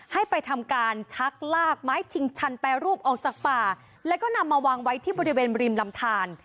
ให้ไปทำการชักลากไม้ชิงชันแปรรูปออกจากป่าแล้วก็นำมาวางไว้ที่บริเวณริมลำทาน